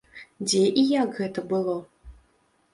Дзе і як гэта было?